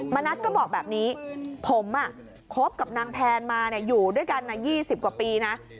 มณัติก็บอกแบบนี้ผมอ่ะครบกับนางแพนมาเนี้ยอยู่ด้วยกันน่ะยี่สิบกว่าปีนะ